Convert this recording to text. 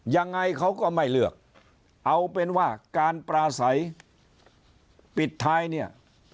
ยังไงเขาก็ไม่เลือกเอาเป็นว่าการปราศัยปิดท้ายเนี่ย